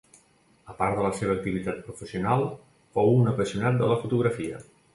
A part de la seva activitat professional, fou un apassionat de la fotografia.